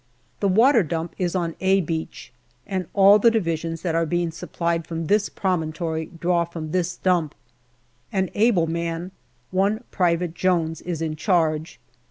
The water dump is on " A " Beach, and all the Divisions that are being supplied from this promontory draw from this dump. An able man, one Private Jones, is in charge.